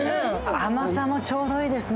甘さもちょうどいいですね。